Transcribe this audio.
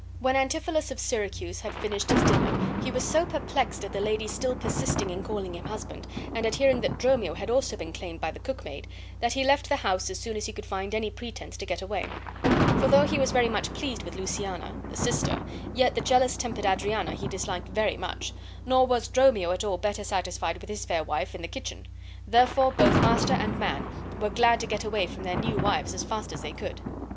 When Antipholus of Syracuse had finished his dinner, he was so perplexed at the lady's still persisting in calling him husband, and at hearing that Dromio had also been claimed by the cookmaid, that he left the house as soon as he could find any pretense to get away; for though he was very much pleased with Luciana, the sister, yet the jealous tempered Adriana he disliked very much, nor was Dromio at all better satisfied with his fair wife in the kitchen; therefore both master and man were glad to get away from their new wives as fast as they could.